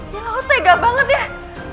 ya aku tega banget ya